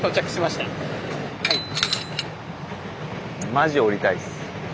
マジ下りたいっす。